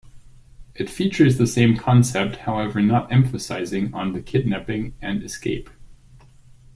It features the same concept, however not emphasizing on the kidnapping and escape.